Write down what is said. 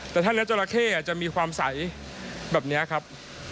แต่ถ้าเนื้อจราเข้จะมีความใสแบบนี้ครับ